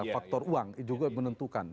faktor uang juga menentukan